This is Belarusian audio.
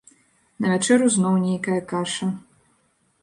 На вячэру зноў нейкая каша.